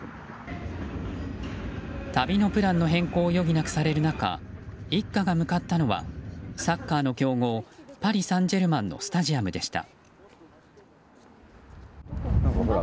旅のプランの変更を余儀なくされる中一家が向かったのはサッカーの強豪パリ・サンジェルマンのスタジアムでした。